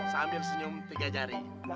sambil senyum tiga jari